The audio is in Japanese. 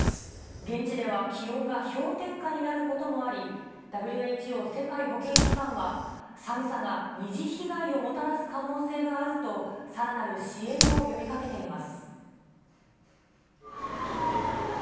現地では気温が氷点下になることもあり、ＷＨＯ・世界保健機関は、寒さが二次被害をもたらす可能性があると、さらなる支援を呼びかけています。